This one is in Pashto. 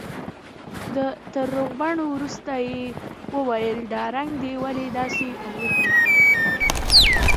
تر روغبړ وروسته يې وويل دا رنگ دې ولې داسې الوتى.